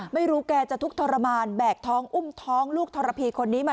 ไม่รู้แกจะทุกข์ทรมานแบกท้องอุ้มท้องลูกทรพีคนนี้มา